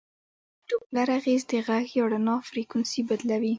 د ډوپلر اغېز د غږ یا رڼا فریکونسي بدلوي.